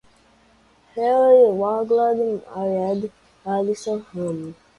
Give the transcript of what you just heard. Henry Wardlaw married Alison Hume.